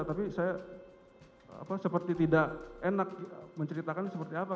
tapi saya seperti tidak enak menceritakan seperti apa